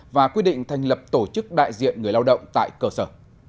và quy định thành lập tổ chức đại diện người lao động tại cơ sở